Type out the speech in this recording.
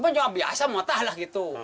tapi cuma biasa matah lah gitu